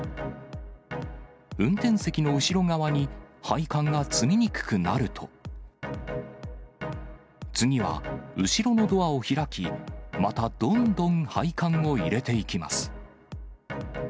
運転席の後ろ側に配管が積みにくくなると、次は、後ろのドアを開き、またどんどん配管を入れていきます。